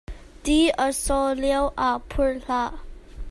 Ti a so lio ah pur hlah.